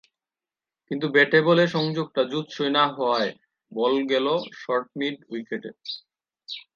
কিন্তু ব্যাটে–বলে সংযোগটা জুতসই না হওয়ায় বল গেল শর্ট মিড উইকেটে।